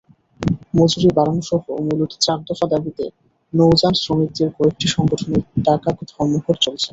মজুরি বাড়ানোসহ মূলত চার দফা দাবিতে নৌযানশ্রমিকদের কয়েকটি সংগঠনের ডাকা ধর্মঘট চলছে।